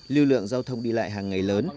lưu lượng giao thông đi lại hàng ngày lớn